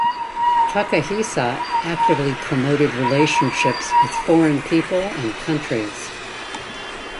Takahisa actively promoted relationships with foreign people and countries.